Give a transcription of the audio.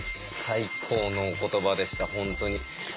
最高のお言葉でした本当に。